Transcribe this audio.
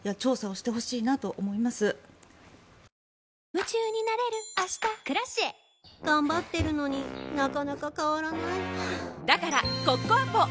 夢中になれる明日「Ｋｒａｃｉｅ」頑張ってるのになかなか変わらないはぁだからコッコアポ！